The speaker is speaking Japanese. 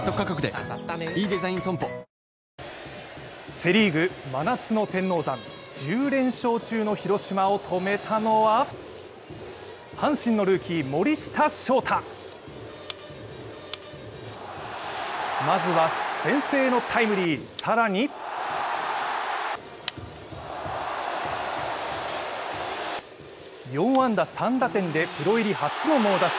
セ・リーグ真夏の天王山、１０連勝中の広島を止めたのはまずは、先制タイムリー更に４安打３打点でプロ入り初の猛打賞。